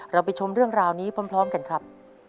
ไปชมเรื่องราวนี้พร้อมกันครับ